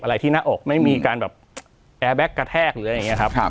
อะไรที่หน้าอกไม่มีการแบบแอร์แบ็คกระแทกหรืออะไรอย่างนี้ครับ